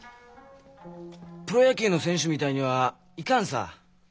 プロ野球の選手みたいにはいかんさぁ。